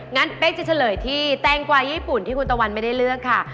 งั้นเป๊กจะเฉลยที่แตงกวาญี่ปุ่นที่คุณตะวันไม่ได้เลือกค่ะ